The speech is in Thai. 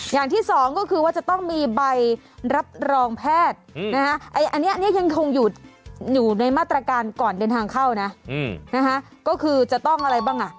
อย่างที่สองก็คือว่าจะต้องมีใบรับรองแพทย์อันนี้ยังคงอยู่ในมาตรการก่อนเดินทางเข้านะก็คือจะต้องอะไรบ้างอ่ะ